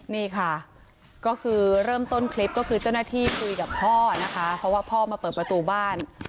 นี่ค่ะก็คือเริ่มต้นคลิปก็คือเจ้าหน้าที่คุยกับพ่อนะคะเพราะว่าพ่อมาเปิดประตูบ้าน